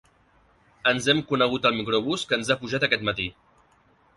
Ens hem conegut al microbús que ens ha pujat aquest matí.